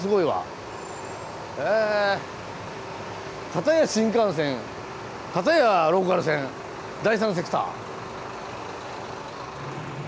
片や新幹線片やローカル線第三セクター。